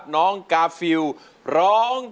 น้องกาฟิลร้อง